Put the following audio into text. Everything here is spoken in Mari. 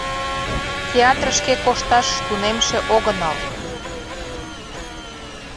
— Театрышке кошташ тунемше огынал.